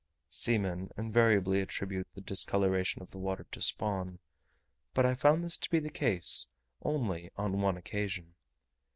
Seamen invariably attribute the discoloration of the water to spawn; but I found this to be the case only on one occasion.